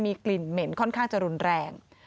มีกลิ่นเหม็นค่อนข้างจะรุนแรง